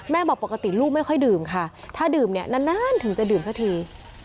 บอกปกติลูกไม่ค่อยดื่มค่ะถ้าดื่มเนี่ยนานถึงจะดื่มสักที